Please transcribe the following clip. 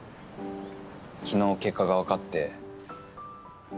昨日結果が分かって。